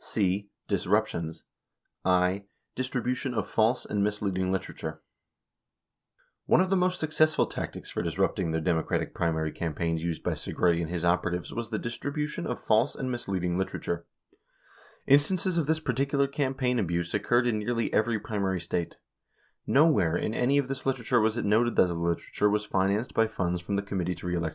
59 (c) Disruptions, (i) Distribution of False and Misleading Litera ture. — One of the most successful tactics for disrupting the Democratic primary campaigns used by Segretti and his operatives was the dis tribution of false and misleading literature. Instances of this particu lar campaign abuse occurred in nearly every primary State. No where in any of this literature w T as it noted that the literature was financed by funds from the Committee To Re Elect the President. "See Silva interview, Aug. 30.